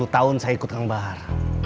sepuluh tahun saya ikut kang bahar